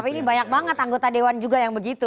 tapi ini banyak banget anggota dewan juga yang begitu